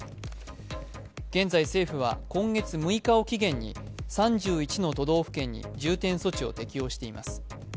現在、政府は今月６日を期限に３１の都道府県に重点措置を適用しています。